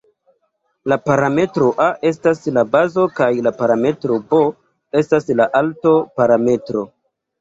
La parametro "a" estas la bazo kaj la parametro "b" estas la "alto"-parametro.